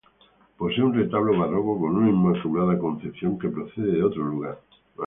Posee un retablo barroco con una Inmaculada Concepción que procede de otro lugar.